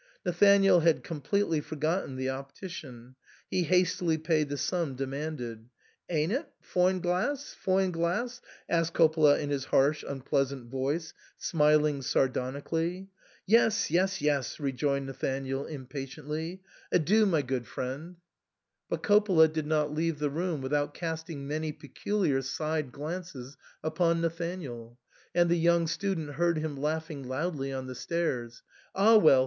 Nathanael had completely forgotten the optician ; he hastily paid the sum demanded. " Ain't .'t ? Foine gless ? foine gless ?" asked Coppola in his harsh unpleasant voice, smiling sardonically. "Yes, yes, yes," rejoined Nathanael impatiently ;" adieu, my good THE SAND'MAN. 199 friend." But Coppola did not leave the room with out casting many peculiar side glances upon Nathan ael ; and the young student heard him laughing loudly on the stairs. " Ah well